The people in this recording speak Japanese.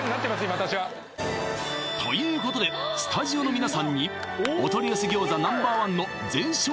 今私はということでスタジオの皆さんにお取り寄せ餃子Ｎｏ．１の全笑